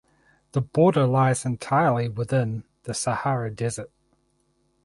The border lies entirely within the Sahara desert.